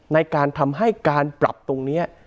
ในการทำให้การปรับตรงนี้